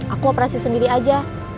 aku operasi sendiri aja